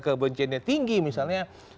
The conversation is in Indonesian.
kebenciannya tinggi misalnya